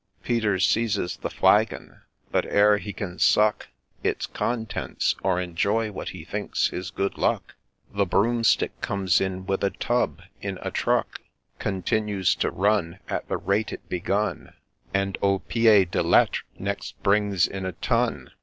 Peter seizes the flagon ; but ere he can suck Its contents, or enjoy what he thinks his good luck, The Broomstick comes in with a tub in a truck ; Continues to run At the rate it begun, And, au pied de lettre, next brings in a tun